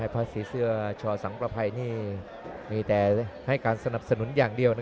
ภาษีเสื้อชอสังประภัยนี่มีแต่ให้การสนับสนุนอย่างเดียว